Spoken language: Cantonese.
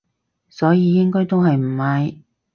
所以應該都係唔買